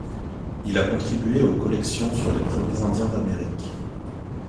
Il a contribué aux collections sur les premiers indiens d'Amérique.